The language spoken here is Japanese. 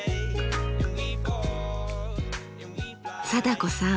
貞子さん